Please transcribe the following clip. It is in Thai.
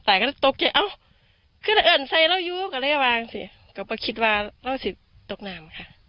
แต่ก็ได้ตกอย่างเอ้าคือได้เอิ่นใส่เราอยู่ก็เลยว่างสิก็ไปคิดว่าเราสิตกนามค่ะ